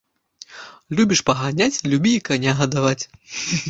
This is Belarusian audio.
Любіш паганяць, любі і каня гадаваць